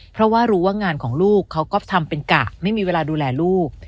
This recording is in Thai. เพราะว่ารู้ว่างานของลูกเขาก็ทำเป็นกะไม่มีเวลาดูแลลูก